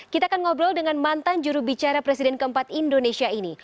kita akan ngobrol dengan mantan jurubicara presiden keempat indonesia ini